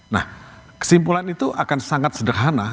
nah kesimpulan itu akan sangat sederhana